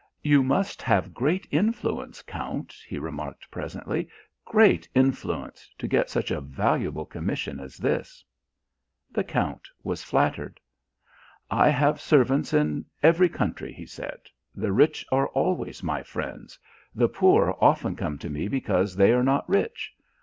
"You must have great influence, Count," he remarked presently "great influence to get such a valuable commission as this!" The Count was flattered. "I have servants in every country," he said; "the rich are always my friends the poor often come to me because they are not rich.